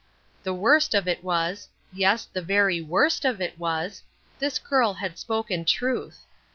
The worst of it was — yes, the very worst of it was — this girl had spoken truth.